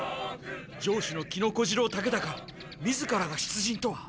城主の木野小次郎竹高自らが出陣とは。